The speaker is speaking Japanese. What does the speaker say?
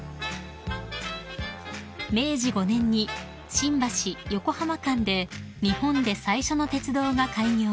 ［明治５年に新橋・横浜間で日本で最初の鉄道が開業］